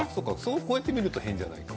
こうやって見ると変じゃないか。